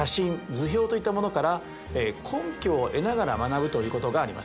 図表といったものから根拠を得ながら学ぶということがあります。